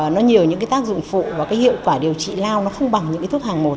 nó nhiều những tác dụng phụ và hiệu quả điều trị lao không bằng những thuốc hàng một